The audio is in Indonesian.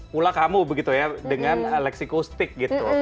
pula kamu begitu ya dengan lexico stick gitu